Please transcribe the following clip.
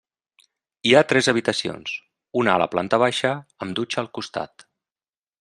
Hi ha tres habitacions, una a la planta baixa amb dutxa al costat.